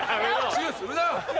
チュするな！